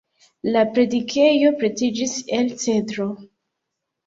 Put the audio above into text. La predikejo pretiĝis el cedro.